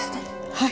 はい。